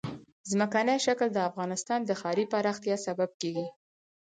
ځمکنی شکل د افغانستان د ښاري پراختیا سبب کېږي.